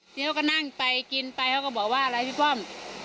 เขาก็นั่งไปกินไปเขาก็บอกว่าอะไรพี่ป้อม